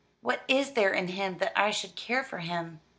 What is there in him that I should care for him?"